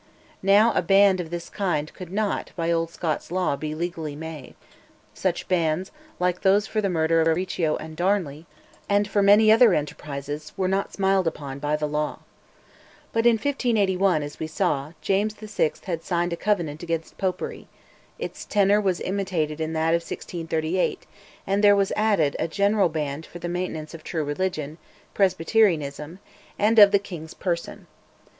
Now a "band" of this kind could not, by old Scots law, be legally made; such bands, like those for the murder of Riccio and of Darnley, and for many other enterprises, were not smiled upon by the law. But, in 1581, as we saw, James VI. had signed a covenant against popery; its tenor was imitated in that of 1638, and there was added "a general band for the maintenance of true religion" (Presbyterianism) "and of the King's person."